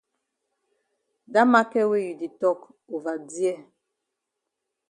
Dat maket wey you di tok ova dear.